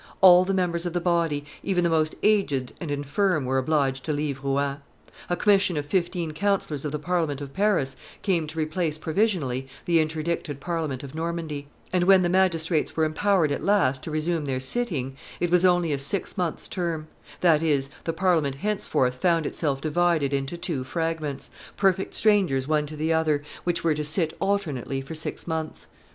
All the members of the body, even the most aged and infirm, were obliged to leave Rouen. A commission of fifteen councillors of the Parliament of Paris came to replace provisionally the interdicted Parliament of Normandy; and, when the magistrates were empowered at last to resume their sitting, it was only a six months' term: that is, the Parliament henceforth found itself divided into two fragments, perfect strangers one to the other, which were to sit alternately for six months.